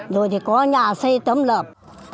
rồi thì có nhà xây tấm lợp